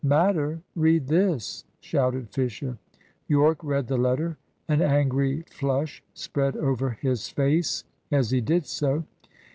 "Matter? Read this!" shouted Fisher. Yorke read the letter. An angry flush spread over his face as he did so.